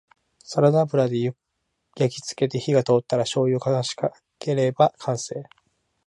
サラダ油で焼きつけて火が通ったらしょうゆを回しかければ完成